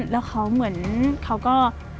แล้วเขาเหมือนเขาก็